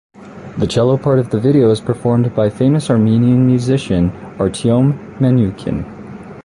The cello part of the video is performed by famous Armenian musician Artyom Manukyan.